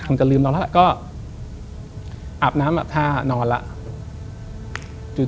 ทำก็ลืมแล้วแล้วก็อาบน้ำอาบทานอนแล้ว